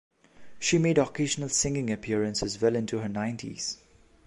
She made occasional singing appearances well into her nineties.